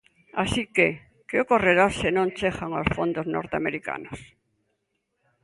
Así que, que ocorrerá se non chegan os fondos norteamericanos?